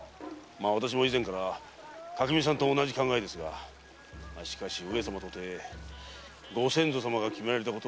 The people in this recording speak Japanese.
私も以前から垣見さんと同じ考えですがしかし上様とてご先祖様が決められたことを変えるというのは。